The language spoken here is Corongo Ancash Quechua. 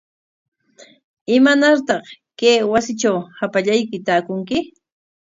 ¿Imanartaq kay wasitraw hapallayki taakunki?